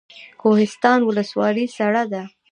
کوهستان ولسوالۍ سړه ده؟